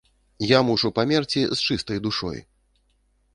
Я мушу памерці з чыстай душой!